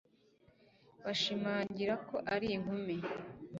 bashimangira ko ari inkumi